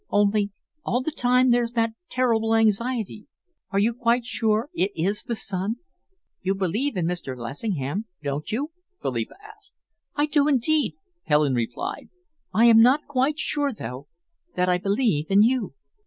Only all the time there's that terrible anxiety are you quite sure it is the sun?" "You believe in Mr. Lessingham, don't you?" Philippa asked. "I do indeed," Helen replied. "I am not quite sure, though, that I believe in you."